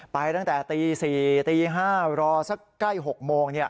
ไปตั้งแต่ตี๔ตี๕รอสักใกล้๖โมง